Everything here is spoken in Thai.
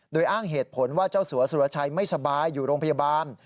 โดยอ้างเหตุผลว่าเจ้าสัวสุรชัยไม่สบายอยู่โรงพยาบาล